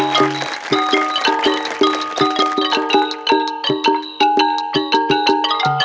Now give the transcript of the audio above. มันไงสำหรับโชว์นี้นะครับ